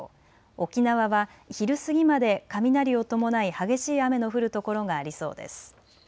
沖縄は昼過ぎまで雷を伴い激しい雨の降る所がありそうです。